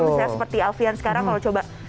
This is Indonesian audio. misalnya seperti alfian sekarang kalau coba